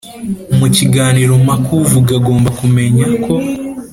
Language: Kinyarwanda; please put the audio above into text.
Mu kiganiro mpaka uvuga agomba kumenya ko